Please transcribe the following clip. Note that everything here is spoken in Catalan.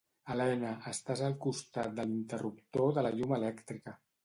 Helena, estàs al costat de l'interruptor de la llum elèctrica.